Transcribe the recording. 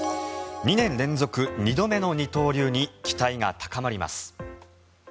２年連続２度目の二刀流に期待が高まります。